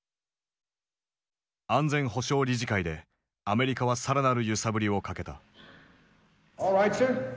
安全保障理事会でアメリカはさらなる揺さぶりをかけた。